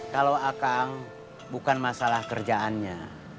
kalau akang bukan masalah kerjaannya